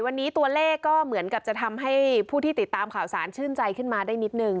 วันนี้ตัวเลขก็เหมือนกับจะทำให้ผู้ที่ติดตามข่าวสารชื่นใจขึ้นมาได้นิดนึง